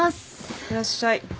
いってらっしゃい。